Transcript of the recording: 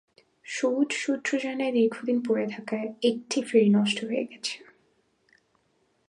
সওজ সূত্র জানায়, দীর্ঘদিন পড়ে থাকায় একটি ফেরি নষ্ট হয়ে গেছে।